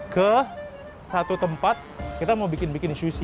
ke satu tempat kita mau bikin bikin sushi